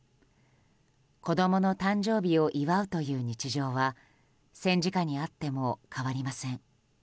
子供の誕生日を祝うという日常は戦時下にあっても変わりません。